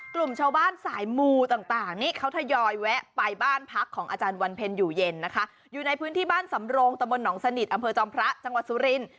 กลุ่มชาวบ้านสายมูต่างนี่เขาทยอยแวะไปบ้านพักของอาจารย์วันเพ็ญอยู่เย็นนะคะอยู่ในพื้นที่บ้านสำโรงตะบนหนองสนิทอำเภอจอมพระจังหวัดสุรินทร์